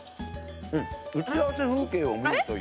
打ち合わせ風景を見るという。